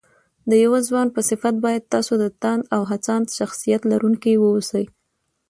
د يو ځوان په صفت بايد تاسو د تاند او هڅاند شخصيت لرونکي واوسئ